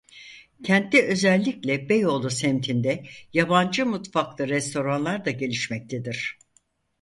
Kentte özellikle Beyoğlu semtinde yabancı mutfaklı restoranlar da gelişmektedir.